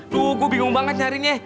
tuh gue bingung banget nyaringnya